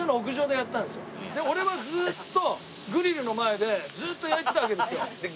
俺はずーっとグリルの前でずっと焼いてたわけですよ。